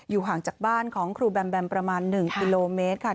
อยู่ห่างจากบ้านของครูแบมประมาณ๑กิโลเมตร